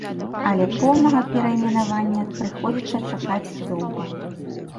Але поўнага перайменавання прыходзіцца чакаць доўга.